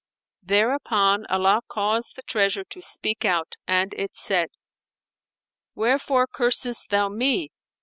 Thereupon Allah caused the Treasure to speak out and it said, "Wherefore cursest thou me?